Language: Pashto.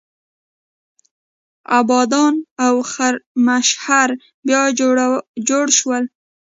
ابادان او خرمشهر بیا جوړ شول.